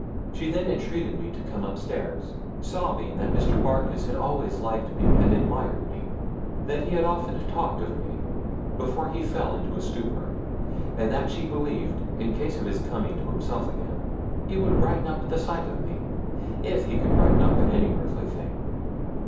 She then entreated me to come upstairs, sobbing that Mr. Barkis had always liked me and admired me; that he had often talked of me, before he fell into a stupor; and that she believed, in case of his coming to himself again, he would brighten up at sight of me, if he could brighten up at any earthly thing.